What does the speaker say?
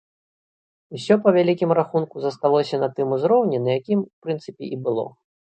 Усё, па вялікім рахунку, засталося на тым узроўні, на якім у прынцыпе і было.